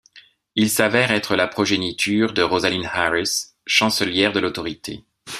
Il s'avère être la progéniture de Rosalyn Harris, chancelière de l'Autorité.